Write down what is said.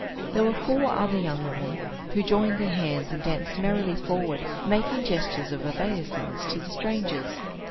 There were four other young women, who joined their hands and danced merrily forward, making gestures of obeisance to the strangers.